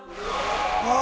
ああ！